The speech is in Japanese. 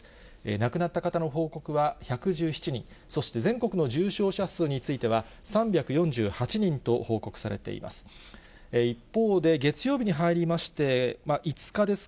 亡くなった方の報告は１１７人、そして、全国の重症者数については、３４８人と報告されています。